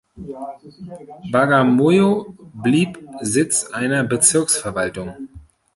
Bagamoyo blieb Sitz einer Bezirksverwaltung.